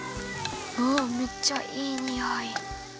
わっめっちゃいいにおい。